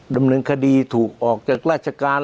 ดำเนินคดีถูกออกจากราชการ